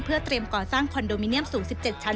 เพื่อเตรียมก่อสร้างคอนโดมิเนียมสูง๑๗ชั้น